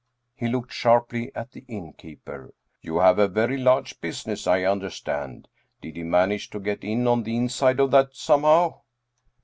He looked sharply at the innkeeper. " You have a very large business, I understand. Did he manage to get in on the inside of that somehow